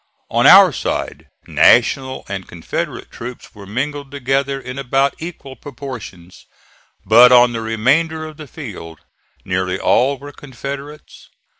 On our side National and Confederate troops were mingled together in about equal proportions; but on the remainder of the field nearly all were Confederates.